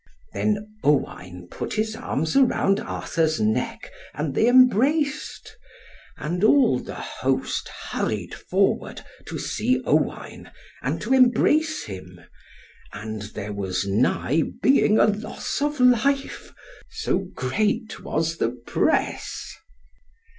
Then Owain put his arms around Arthur's neck, and they embraced. And all the host hurried forward to see Owain, and to embrace him. And there was nigh being a loss of life, so great was the press.